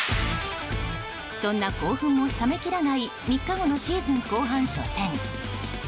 そんな興奮も冷め切らない３日後のシーズン後半初戦。